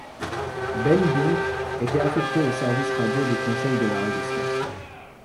Ben Buunk était affecté au Service Radio du Conseil de la Résistance.